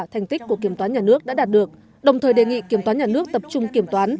thành tích của kiểm toán nhà nước đã đạt được đồng thời đề nghị kiểm toán nhà nước tập trung kiểm toán